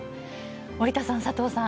織田さん、佐藤さん